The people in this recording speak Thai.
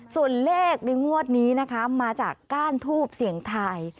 ส่วนเลขในงวดนี้นะคะมาจากก้านทูบเสี่ยงทาย